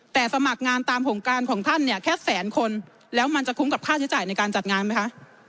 แต่สมัครงานตามโครงการของท่านเนี่ยแค่แสนคนแล้วมันจะคุ้มกับค่าใช้จ่ายในการจัดงานไหมคะ